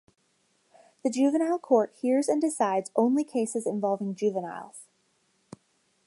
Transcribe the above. The Juvenile Court hears and decides only cases involving juveniles.